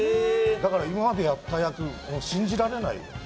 だから今までやった役信じられないよ。